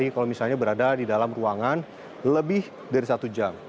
kalau misalnya berada di dalam ruangan lebih dari satu jam